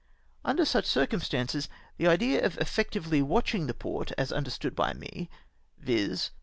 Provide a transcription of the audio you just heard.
Under such cu'cumstances, the idea of effectively watching the port, as understood by me, — viz.